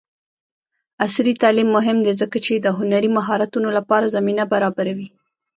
عصري تعلیم مهم دی ځکه چې د هنري مهارتونو لپاره زمینه برابروي.